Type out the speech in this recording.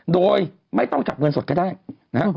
โดยไม่ต้องจับเงินสดก็ได้นะฮะ